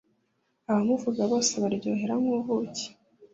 Abamuvuga bose abaryohera nk’ubuki,